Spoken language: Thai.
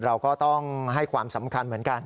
เราก็ต้องให้ความสำคัญเหมือนกัน